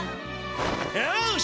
よし！